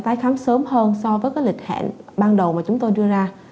tái khám sớm hơn so với cái lịch hẹn ban đầu mà chúng tôi đưa ra